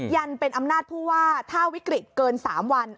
ยันเป็นอำนาจผู้ว่าถ้าวิกฤตเกิน๓วัน